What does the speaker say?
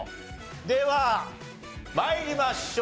では参りましょう。